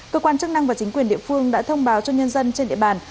cơ quan chức năng và chính quyền địa phương đã thông báo cho nhân dân trên địa bàn